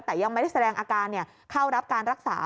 แต่ยังไม่ได้แสดงอาการเข้ารับการรักษา